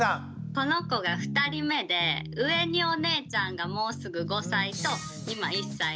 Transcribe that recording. この子が２人目で上にお姉ちゃんがもうすぐ５歳と今１歳なんですけど。